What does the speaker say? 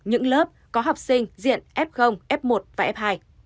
những lớp có học sinh diện f f một và f hai